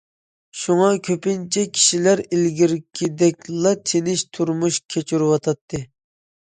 شۇڭا، كۆپىنچە كىشىلەر ئىلگىرىكىدەكلا تىنچ تۇرمۇش كەچۈرۈۋاتاتتى.